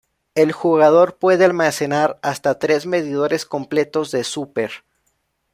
El jugador puede almacenar hasta tres medidores completos de Super.